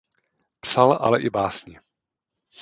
Psal ale i básně.